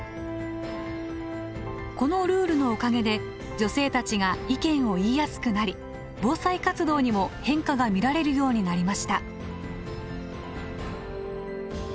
このルールのおかげで女性たちが意見を言いやすくなり防災活動にも変化が見られるようになりました。